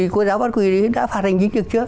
cô giáo bắt quỳ đã phạt hành chính được chưa